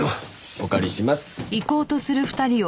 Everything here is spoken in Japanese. お借りします。